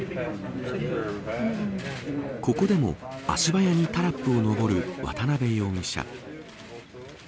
ここでも足早にタラップを上る渡辺容疑者。